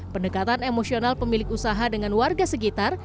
pendekatan emosional pemilik usaha dengan warga sekitar